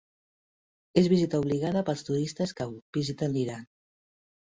Es visita obligada pels turistes que visiten l'Iran.